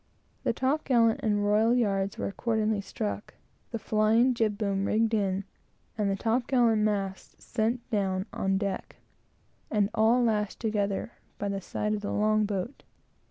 The top gallant and royal yards were accordingly struck, the flying jib boom rigged in, and the top gallant masts sent down on deck, and all lashed together by the side of the long boat.